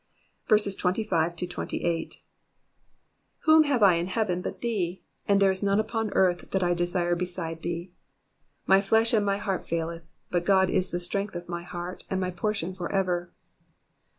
25 Whom have I in heaven but thee ? and there is none upon earth that I desire beside thee. 26 My flesh and my heart faileth ; but God is the strength of my heart, and my portion for ever.